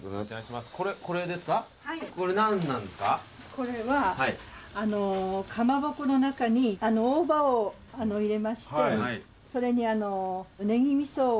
これはかまぼこの中に大葉を入れましてそれにねぎ味噌を挟みまして。